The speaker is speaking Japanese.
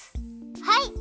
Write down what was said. はい！